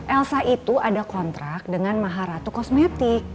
elsa itu ada kontrak dengan maharatu kosmetik